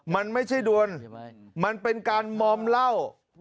มันไม่ใช่ดวนมันเป็นการมอมเหล้า